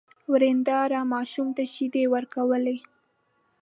ورېندار ماشوم ته شيدې ورکولې.